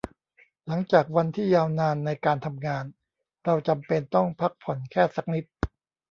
หลังจากวันที่ยาวนานในการทำงาน เราจำเป็นต้องพักผ่อนแค่สักนิด